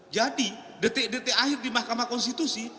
jadi detik detik akhir di mahkamah konstitusi